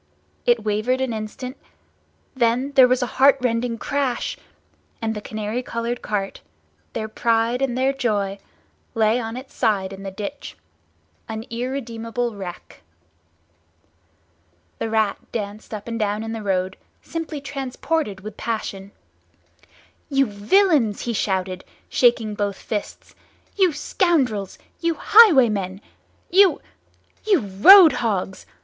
It wavered an instant—then there was a heartrending crash—and the canary coloured cart, their pride and their joy, lay on its side in the ditch, an irredeemable wreck. The Rat danced up and down in the road, simply transported with passion. "You villains!" he shouted, shaking both fists, "You scoundrels, you highwaymen, you—you—roadhogs!